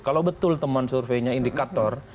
kalau betul teman surveinya indikator